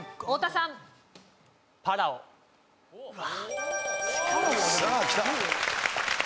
さあきた。